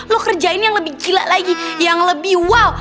lo kerjain yang lebih gila lagi yang lebih wow